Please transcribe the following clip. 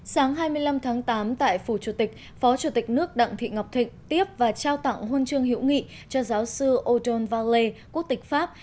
sáng hai mươi năm tháng tám tại phủ chủ tịch phó chủ tịch nước đặng thị ngọc thịnh tiếp và trao tặng huân chương hữu nghị cho giáo sư odon valet quốc tịch pháp